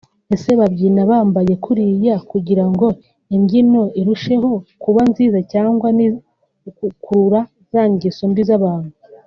ese babyina bambaye kuriya kugira ngo imbyino irusheho kuba nziza cyangwa ni ugukurura za ngeso mbi z’abantu